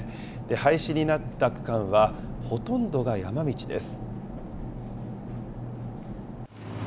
廃止になった区間は、ほとんどが山道です。